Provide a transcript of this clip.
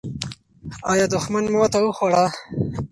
آیا دښمن ماته وخوړه؟